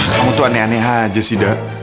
kamu tuh aneh aneh aja sih dah